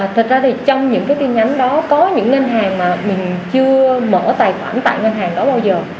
thật ra thì trong những cái tin nhắn đó có những ngân hàng mà mình chưa mở tài khoản tại ngân hàng đó bao giờ